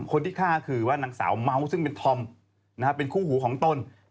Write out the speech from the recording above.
คนที่ฆ่าคือว่านางสาวเมาส์ซึ่งเป็นธอมเป็นคู่หูของตน